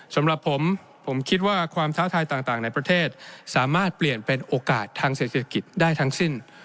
สำหรับผมผมคิดว่าความท้าทายต่างในประเทศสามารถเปลี่ยนเป็นโอกาสทางเศรษฐกิจได้ทั้งสิ้น